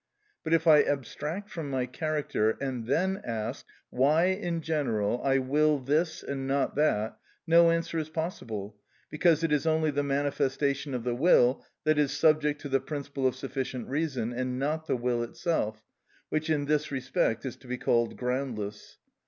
But if I abstract from my character, and then ask, why, in general, I will this and not that, no answer is possible, because it is only the manifestation of the will that is subject to the principle of sufficient reason, and not the will itself, which in this respect is to be called groundless.